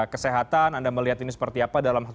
kesehatan anda melihat ini seperti apa dalam